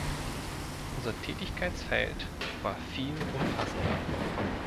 Unser Tätigkeitsfeld war viel umfassender.